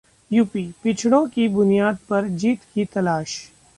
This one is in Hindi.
यूपीः पिछड़ों की बुनियाद पर जीत की तलाश